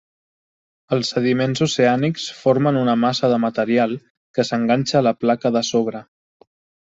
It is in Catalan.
Els sediments oceànics formen una massa de material que s'enganxa a la placa de sobre.